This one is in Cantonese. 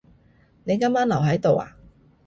你今晚留喺度呀？